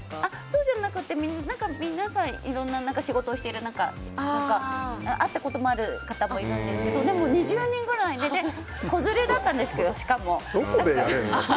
そうじゃなくて皆さん仕事をしている仲とか会ったこともある方もいるんですけどでも２０人ぐらいで子連れだったんですけど。